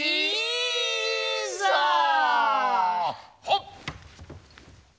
はっ！